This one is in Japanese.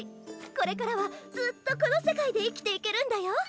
これからはずっとこの世界で生きていけるんだよ！